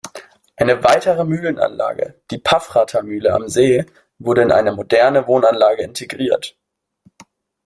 Eine weitere Mühlenanlage, die "Paffrather Mühle" am See, wurde in eine moderne Wohnanlage integriert.